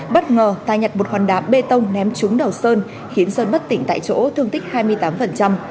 bất ngờ tài nhặt một hòn đá bê tông ném trúng đầu sơn khiến sơn bất tỉnh tại chỗ thương tích hai mươi tám